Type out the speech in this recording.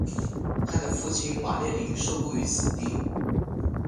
他的父亲瓦列里受雇于此地。